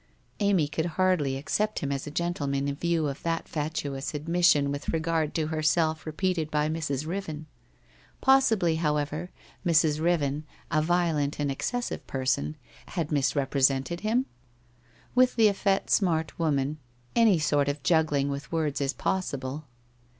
Amy could hardly accept him as a gentleman in view of that fatuous admission with regard to herself repeated by Mrs. Riven. Possibly, however, Mrs. Riven, a violent and ex cessive person, had misrepresented him? With the effete smart woman, any sort of juggling with words is possible.